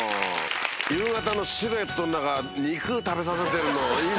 夕方のシルエットの中肉食べさせてるのいいね。